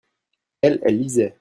elles, elles lisaient.